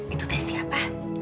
itu teh siapa